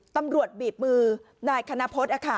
ตำรวจบีบมือนายคณพฤษ